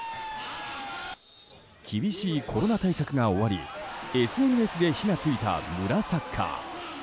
厳しいコロナ対策が終わりＳＮＳで火が付いた村サッカー。